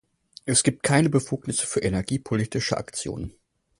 Es gibt keine Befugnisse für energiepolitische Aktionen.